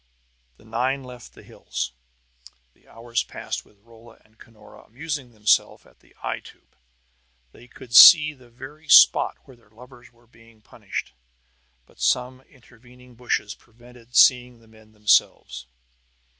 The nine left the hills. The hours passed with Rolla and Cunora amusing themselves at the "eye tube." They could see the very spot where their lovers were being punished; but some intervening bushes prevented seeing the men themselves.